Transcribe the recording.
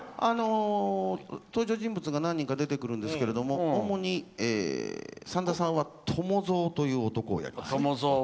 登場人物が何人か出てくるんですけれども主に三三さんは伴蔵という男をやります。